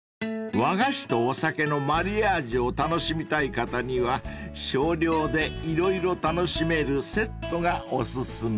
［和菓子とお酒のマリアージュを楽しみたい方には少量で色々楽しめるセットがお薦め］